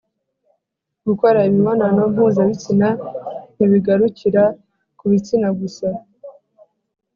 Gukora imibonano mpuzabitsina ntibigarukira ku bitsina gusa